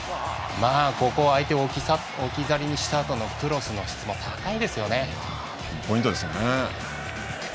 ここは相手を置き去りにしたあとのクロスの質もポイントですよね。